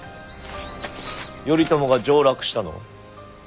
頼朝が上洛したのは？